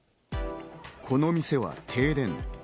この店は停電。